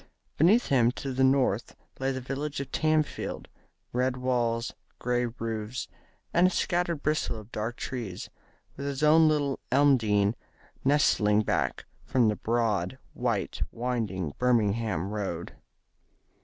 Beneath him to the north lay the village of Tamfield, red walls, grey roofs, and a scattered bristle of dark trees, with his own little Elmdene nestling back from the broad, white winding Birmingham Road.